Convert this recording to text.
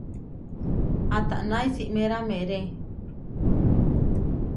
¿Atána isímera meeré?